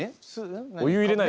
お湯を入れない。